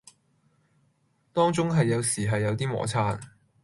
當中係有時係有啲磨擦